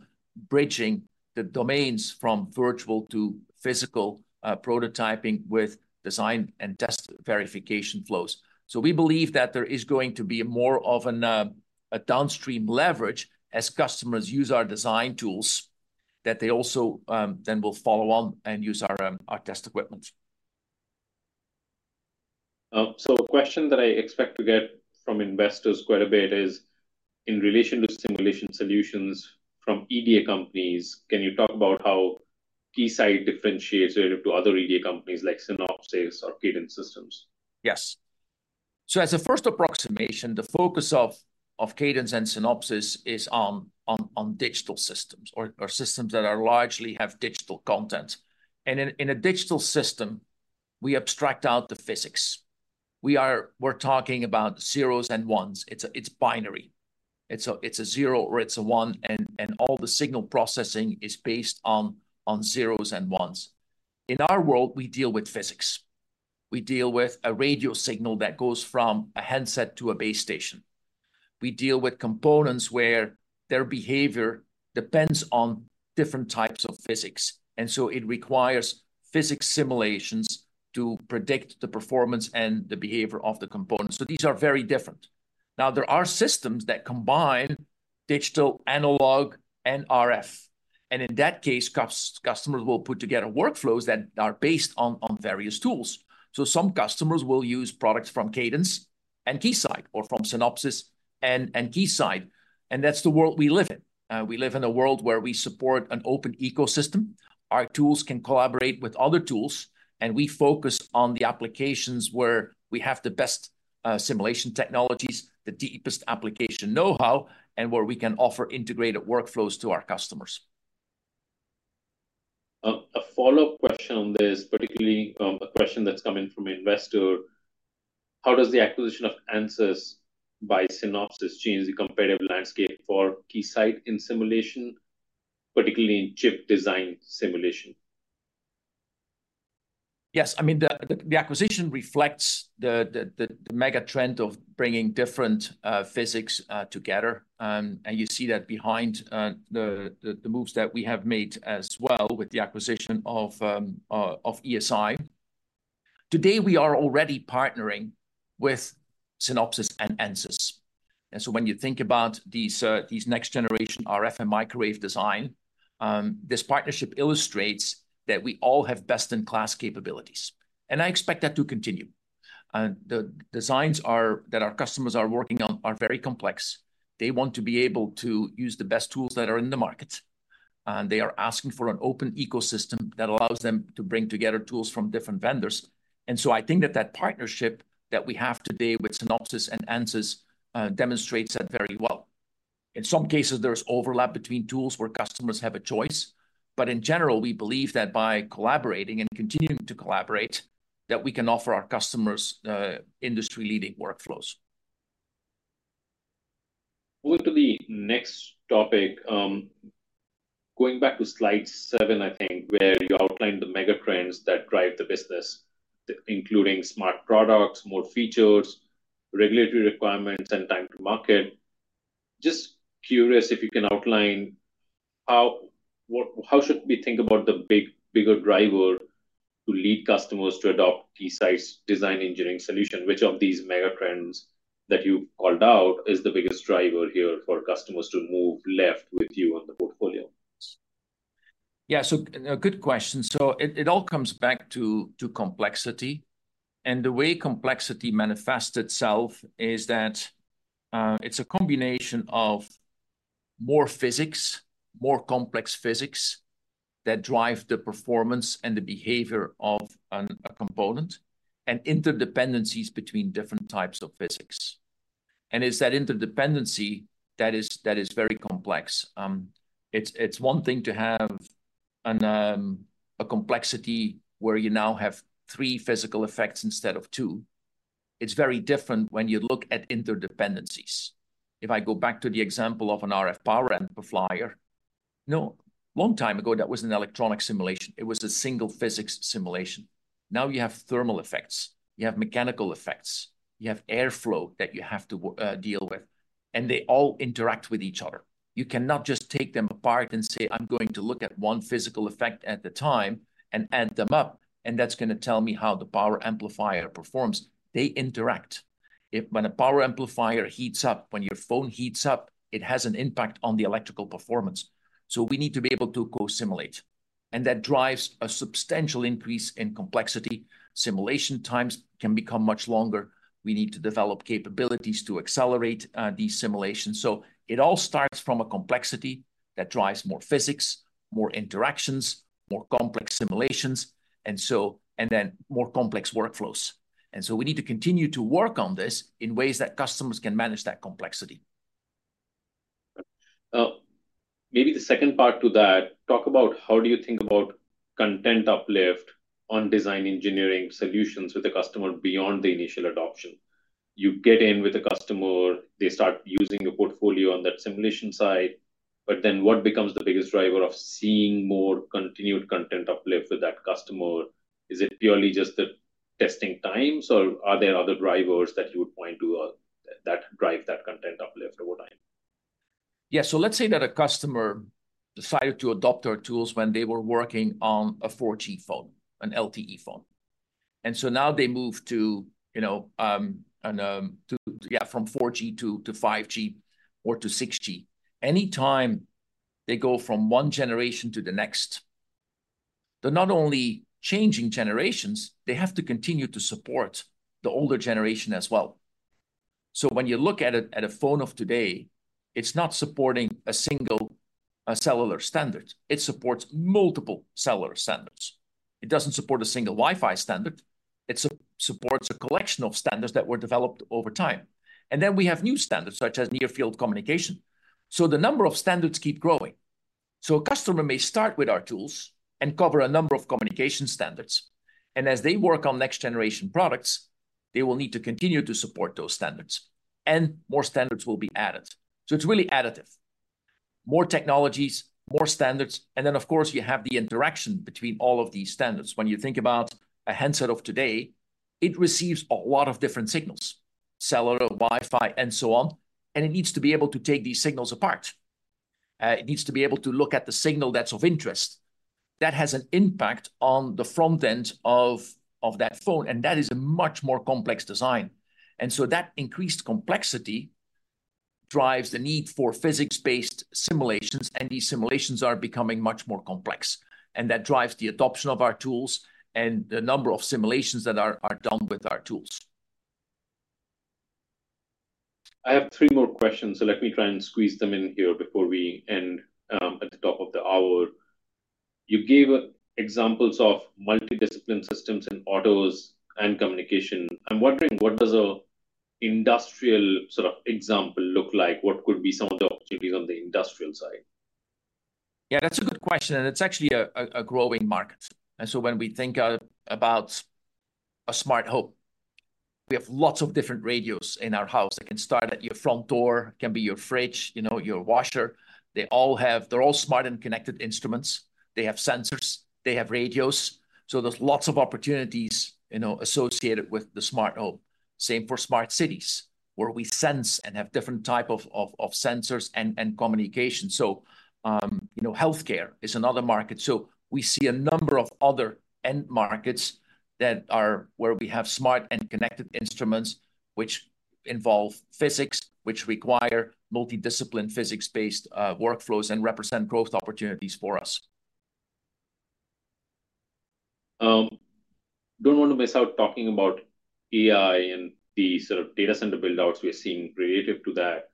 bridging the domains from virtual to physical, prototyping with design and test verification flows. So we believe that there is going to be more of an, a downstream leverage as customers use our design tools, that they also, then will follow on and use our, our test equipment. A question that I expect to get from investors quite a bit is, in relation to simulation solutions from EDA companies, can you talk about how Keysight differentiates relative to other EDA companies like Synopsys or Cadence Design Systems? Yes. So as a first approximation, the focus of Cadence and Synopsys is on digital systems or systems that are largely have digital content. And in a digital system, we abstract out the physics. We're talking about zeros and ones. It's a zero or it's a one, and all the signal processing is based on zeros and ones. In our world, we deal with physics. We deal with a radio signal that goes from a handset to a base station. We deal with components where their behavior depends on different types of physics, and so it requires physics simulations to predict the performance and the behavior of the components. So these are very different. Now, there are systems that combine digital, analog, and RF, and in that case, customers will put together workflows that are based on, on various tools. So some customers will use products from Cadence and Keysight or from Synopsys and Keysight, and that's the world we live in. We live in a world where we support an open ecosystem. Our tools can collaborate with other tools, and we focus on the applications where we have the best, simulation technologies, the deepest application know-how, and where we can offer integrated workflows to our customers. A follow-up question on this, particularly, a question that's coming from an investor: How does the acquisition of Ansys by Synopsys change the competitive landscape for Keysight in simulation, particularly in chip design simulation? Yes, I mean, the acquisition reflects the megatrend of bringing different physics together. And you see that behind the moves that we have made as well with the acquisition of ESI. Today, we are already partnering with Synopsys and Ansys, and so when you think about these next-generation RF and microwave design, this partnership illustrates that we all have best-in-class capabilities, and I expect that to continue. The designs that our customers are working on are very complex. They want to be able to use the best tools that are in the market, and they are asking for an open ecosystem that allows them to bring together tools from different vendors. I think that that partnership that we have today with Synopsys and Ansys demonstrates that very well. In some cases, there's overlap between tools where customers have a choice, but in general, we believe that by collaborating and continuing to collaborate, that we can offer our customers industry-leading workflows. Moving to the next topic, going back to slide seven, I think, where you outlined the megatrends that drive the business, including smart products, more features, regulatory requirements, and time to market. Just curious if you can outline how, what, how should we think about the bigger driver to lead customers to adopt Keysight's design engineering solution, which of these megatrends that you've called out is the biggest driver here for customers to move left with you on the portfolio? Yeah, so, a good question. So it all comes back to complexity, and the way complexity manifests itself is that, it's a combination of more physics, more complex physics, that drive the performance and the behavior of a component, and interdependencies between different types of physics. And it's that interdependency that is very complex. It's one thing to have a complexity where you now have three physical effects instead of two. It's very different when you look at interdependencies. If I go back to the example of an RF power amplifier, you know, long time ago, that was an electronic simulation. It was a single physics simulation. Now, you have thermal effects, you have mechanical effects, you have airflow that you have to deal with, and they all interact with each other. You cannot just take them apart and say, "I'm going to look at one physical effect at a time and add them up, and that's gonna tell me how the power amplifier performs." They interact. If, when a power amplifier heats up, when your phone heats up, it has an impact on the electrical performance, so we need to be able to co-simulate, and that drives a substantial increase in complexity. Simulation times can become much longer. We need to develop capabilities to accelerate these simulations. It all starts from a complexity that drives more physics, more interactions, more complex simulations, and so, and then more complex workflows. We need to continue to work on this in ways that customers can manage that complexity. Maybe the second part to that, talk about how do you think about content uplift on design engineering solutions with the customer beyond the initial adoption? You get in with a customer, they start using your portfolio on that simulation side, but then what becomes the biggest driver of seeing more continued content uplift with that customer? Is it purely just the testing times, or are there other drivers that you would point to, that drive that content uplift over time? Yeah, so let's say that a customer decided to adopt our tools when they were working on a 4G phone, an LTE phone. And so now they move to, you know, from 4G to 5G or to 6G. Any time they go from one generation to the next, they're not only changing generations, they have to continue to support the older generation as well. So when you look at a phone of today, it's not supporting a single cellular standard, it supports multiple cellular standards. It doesn't support a single Wi-Fi standard, it supports a collection of standards that were developed over time. And then we have new standards, such as Near Field Communication. So the number of standards keep growing. So a customer may start with our tools and cover a number of communication standards, and as they work on next-generation products, they will need to continue to support those standards, and more standards will be added. So it's really additive: more technologies, more standards, and then, of course, you have the interaction between all of these standards. When you think about a handset of today, it receives a lot of different signals, cellular, Wi-Fi, and so on, and it needs to be able to take these signals apart. It needs to be able to look at the signal that's of interest. That has an impact on the front end of that phone, and that is a much more complex design. That increased complexity drives the need for physics-based simulations, and these simulations are becoming much more complex, and that drives the adoption of our tools and the number of simulations that are done with our tools. I have three more questions, so let me try and squeeze them in here before we end, at the top of the hour. You gave examples of multi-discipline systems in autos and communication. I'm wondering, what does a industrial sort of example look like? What could be some of the opportunities on the industrial side? Yeah, that's a good question, and it's actually a growing market. And so when we think about a smart home, we have lots of different radios in our house. It can start at your front door, it can be your fridge, you know, your washer. They all have... They're all smart and connected instruments. They have sensors, they have radios, so there's lots of opportunities, you know, associated with the smart home. Same for smart cities, where we sense and have different type of sensors and communication. So, you know, healthcare is another market. So we see a number of other end markets that are where we have smart and connected instruments, which involve physics, which require multi-discipline, physics-based workflows and represent growth opportunities for us. Don't want to miss out talking about AI and the sort of data center build-outs we are seeing relative to that.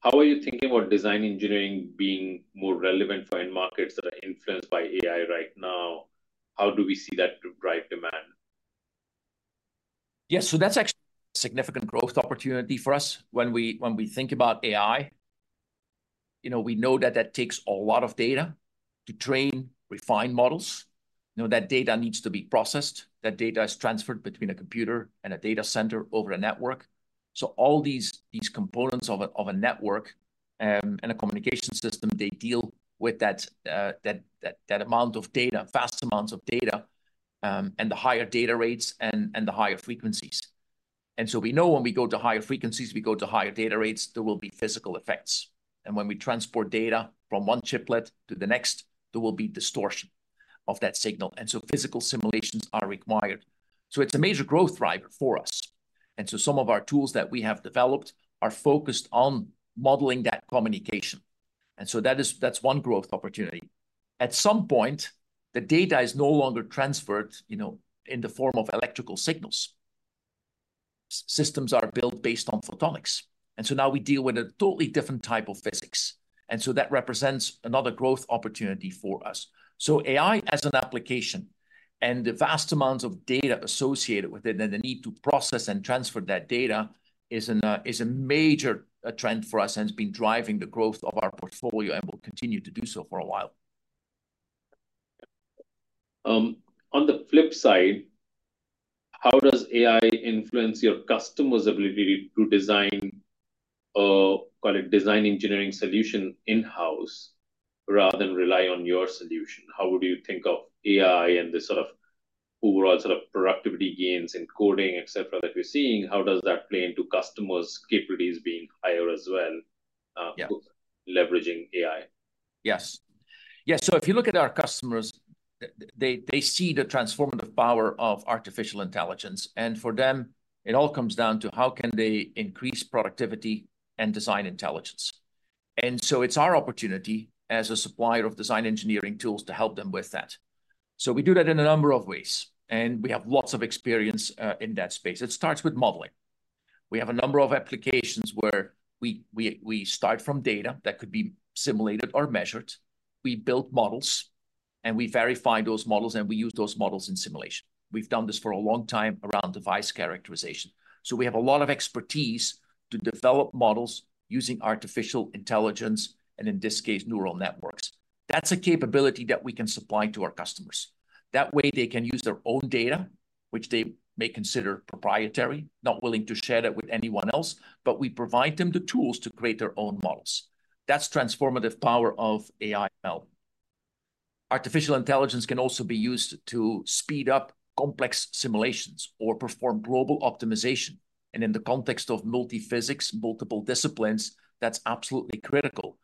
How are you thinking about design engineering being more relevant for end markets that are influenced by AI right now? How do we see that drive demand? Yeah, so that's actually a significant growth opportunity for us. When we think about AI, you know, we know that that takes a lot of data to train refined models. You know, that data needs to be processed. That data is transferred between a computer and a data center over a network. So all these components of a network and a communication system, they deal with that amount of data, vast amounts of data, and the higher data rates and the higher frequencies... and so we know when we go to higher frequencies, we go to higher data rates, there will be physical effects. And when we transport data from one chiplet to the next, there will be distortion of that signal, and so physical simulations are required. So it's a major growth driver for us, and so some of our tools that we have developed are focused on modeling that communication, and so that's one growth opportunity. At some point, the data is no longer transferred, you know, in the form of electrical signals. Systems are built based on photonics, and so now we deal with a totally different type of physics, and so that represents another growth opportunity for us. So AI, as an application, and the vast amounts of data associated with it, and the need to process and transfer that data is an, is a major, trend for us, and it's been driving the growth of our portfolio and will continue to do so for a while. On the flip side, how does AI influence your customers' ability to design, call it design engineering solution in-house, rather than rely on your solution? How would you think of AI and the sort of overall sort of productivity gains in coding, et cetera, that we're seeing, how does that play into customers' capabilities being higher as well, like leveraging AI? Yes. Yeah, so if you look at our customers, they see the transformative power of artificial intelligence, and for them, it all comes down to: how can they increase productivity and design intelligence? And so it's our opportunity, as a supplier of design engineering tools, to help them with that. So we do that in a number of ways, and we have lots of experience in that space. It starts with modeling. We have a number of applications where we start from data that could be simulated or measured. We build models, and we verify those models, and we use those models in simulation. We've done this for a long time around device characterization, so we have a lot of expertise to develop models using artificial intelligence, and in this case, neural networks. That's a capability that we can supply to our customers. That way, they can use their own data, which they may consider proprietary, not willing to share that with anyone else, but we provide them the tools to create their own models. That's transformative power of AI/ML. Artificial intelligence can also be used to speed up complex simulations or perform global optimization, and in the context of multi-physics, multiple disciplines, that's absolutely critical.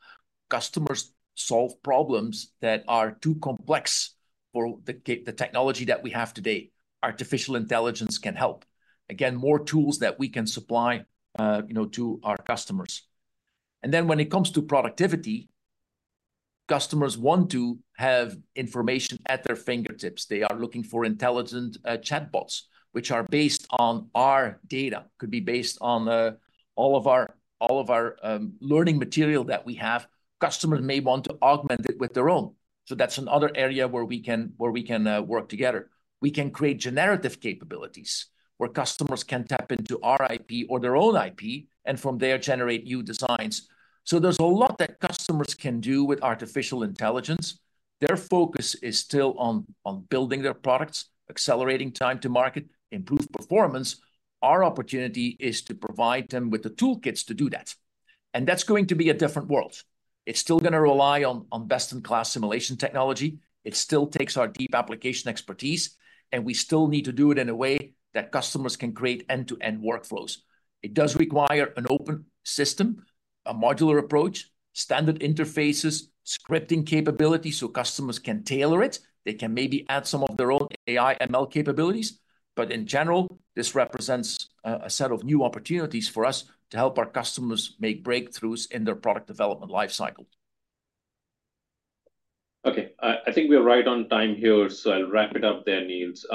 Customers solve problems that are too complex for the technology that we have today. Artificial intelligence can help. Again, more tools that we can supply, you know, to our customers. And then when it comes to productivity, customers want to have information at their fingertips. They are looking for intelligent chatbots, which are based on our data, could be based on all of our learning material that we have. Customers may want to augment it with their own. So that's another area where we can work together. We can create generative capabilities, where customers can tap into our IP or their own IP, and from there, generate new designs. So there's a lot that customers can do with artificial intelligence. Their focus is still on building their products, accelerating time to market, improve performance. Our opportunity is to provide them with the toolkits to do that, and that's going to be a different world. It's still gonna rely on best-in-class simulation technology, it still takes our deep application expertise, and we still need to do it in a way that customers can create end-to-end workflows. It does require an open system, a modular approach, standard interfaces, scripting capabilities so customers can tailor it. They can maybe add some of their own AI and ML capabilities, but in general, this represents a set of new opportunities for us to help our customers make breakthroughs in their product development life cycle. Okay, I think we're right on time here, so I'll wrap it up there, Niels.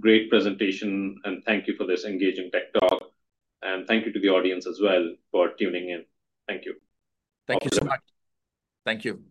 Great presentation, and thank you for this engaging tech talk, and thank you to the audience as well for tuning in. Thank you. Thank you so much. Hope to- Thank you.